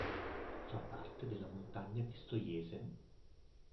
Fa parte della Montagna Pistoiese.